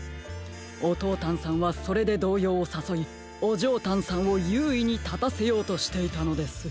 オトータンさんはそれでどうようをさそいオジョータンさんをゆういにたたせようとしていたのです。